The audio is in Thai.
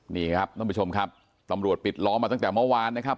นี่ครับท่านผู้ชมครับตำรวจปิดล้อมาตั้งแต่เมื่อวานนะครับ